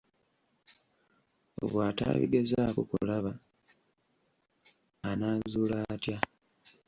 Bw'atabigezaako kulaba, anaazuula atya?